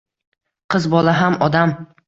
Qiz bola ham odam.